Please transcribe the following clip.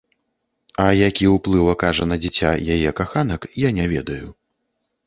А які ўплыў акажа на дзіця яе каханак, я не ведаю.